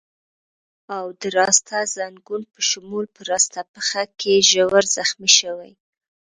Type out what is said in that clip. او د راسته ځنګون په شمول په راسته پښه کې ژور زخمي شوی.